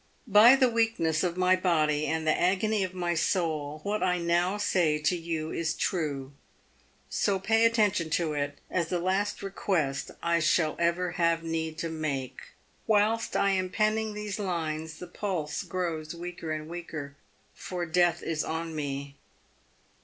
By the weakness of my body, and the agony of my soul, what I now say to you is true ; so pay attention to it as the last request I shall ever have need to make. Whilst I am penning these lines the pulse grows weaker and weaker, for death is on me.